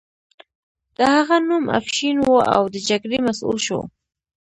د هغه نوم افشین و او د جګړې مسؤل شو.